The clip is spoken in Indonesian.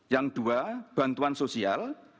yang dua bantuan sosial